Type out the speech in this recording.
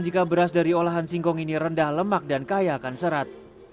jika beras dari olahan singkong ini rendah lemak dan kaya akan serat